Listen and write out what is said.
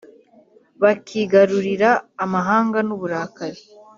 bakigarurira amahanga n’uburakari,